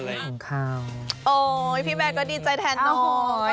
พี่แมานก็ดีใจแท้หน่อย